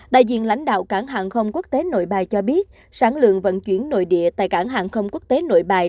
đại diện lãnh đạo cảng hàng không quốc tế nội bài cho biết sản lượng vận chuyển nội địa tại cảng hàng không quốc tế nội bài